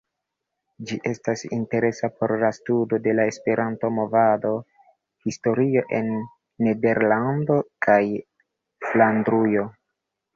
Ĝi estas interesa por la studo de la Esperanto-movada historio en Nederlando kaj Flandrujo.